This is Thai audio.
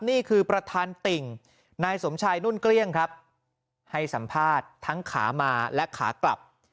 นี่คือประธานติ่งนายสมชายนุ่นเกลี้ยงครับให้สัมภาษณ์ทั้งขามาและขากลับ